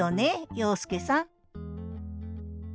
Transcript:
洋輔さん